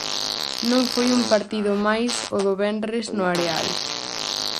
Non foi un partido máis o do venres no areal.